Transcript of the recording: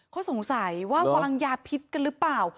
เขาสงสัยว่าวางยาพิษกันหรือเปล่า